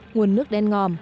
nguồn nước đen ngòm bốc mùi